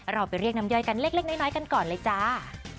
เราไปเรียกน้ำย่อยกันเล็กน้อยกันก่อนเลยจ้า